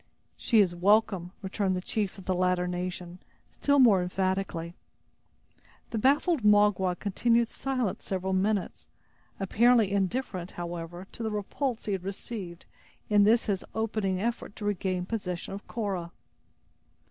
"She is welcome," returned the chief of the latter nation, still more emphatically. The baffled Magua continued silent several minutes, apparently indifferent, however, to the repulse he had received in this his opening effort to regain possession of Cora.